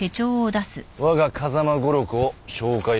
わが風間語録を紹介しよう。